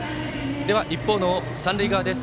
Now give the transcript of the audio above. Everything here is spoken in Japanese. では、一方の三塁側です。